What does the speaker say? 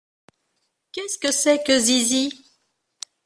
Qu’est-ce que c’est que Zizi ?